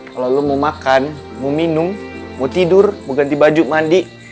kalau lo mau makan mau minum mau tidur mau ganti baju mandi